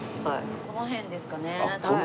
この辺ですかね多分。